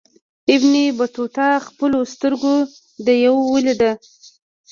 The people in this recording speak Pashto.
ابن بطوطه پخپلو سترګو دېو ولید.